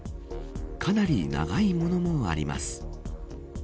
かなり長いものもあります。